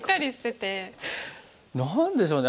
何でしょうね